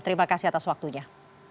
terima kasih atas waktunya